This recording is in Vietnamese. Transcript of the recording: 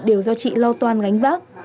đều do chị lo toan gánh vác